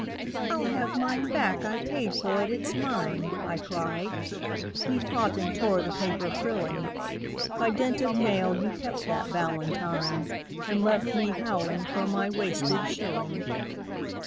" I'll have mine back I paid for it it's mine !" I cried. We fought and tore the paper frilling. By dint of nail you kept that valentine, And left me howling for my wasted shilling.